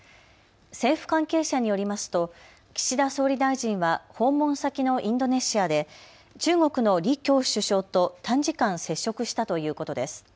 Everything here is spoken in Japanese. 政府関係者によりますと岸田総理大臣は訪問先のインドネシアで中国の李強首相と短時間、接触したということです。